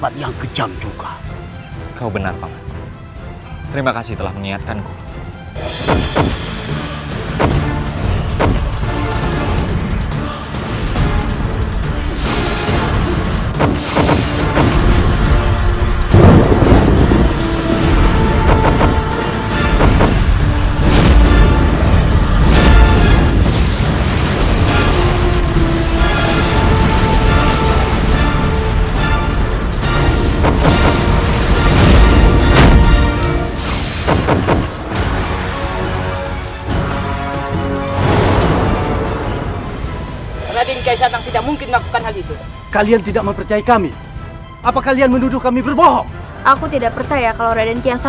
tidak ada salah lain mau tidak mau aku harus menghadapinya